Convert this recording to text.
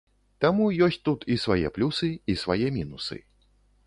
Таму ёсць тут і свае плюсы, і свае мінусы.